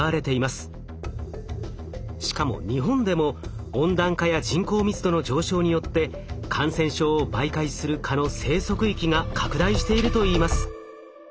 しかも日本でも温暖化や人口密度の上昇によって感染症を媒介する蚊の生息域が拡大しているといいます。